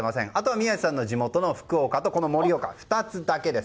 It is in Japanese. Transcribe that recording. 宮司さんの地元の福岡と盛岡の２つだけです。